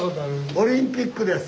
オリンピックです。